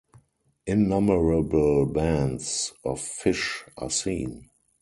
Innumerable bands of fish are seen.